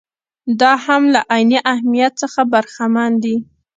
دا هم له عیني اهمیت څخه برخمن دي.